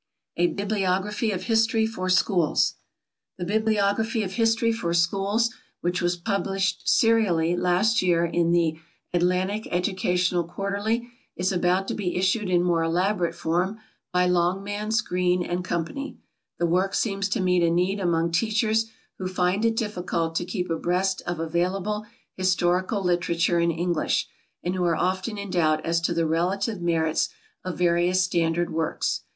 A BIBLIOGRAPHY OF HISTORY FOR SCHOOLS. The bibliography of history for schools which was published serially last year in the "Atlantic Educational Quarterly," is about to be issued in more elaborate form by Longmans, Green & Co. The work seems to meet a need among teachers who find it difficult to keep abreast of available historical literature in English, and who are often in doubt as to the relative merits of various standard works.